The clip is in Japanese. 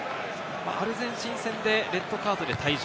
アルゼンチン戦でレッドカードで退場。